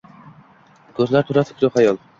Koʼzlar toʼla fikru xayol